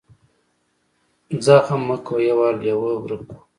ځه غم مه کوه يو وار لېوه ورک کو.